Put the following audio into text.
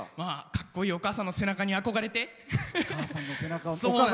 かっこいいお母さんの背中に憧れて。